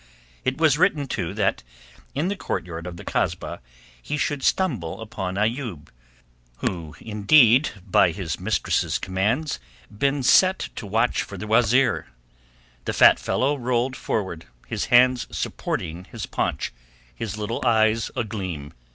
It was written, too, that in the courtyard of the Kasbah he should stumble upon Ayoub, who indeed had by his mistress's commands been set to watch for the wazeer. The fat fellow rolled forward, his hands supporting his paunch, his little eyes agleam.